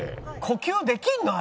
呼吸できんの？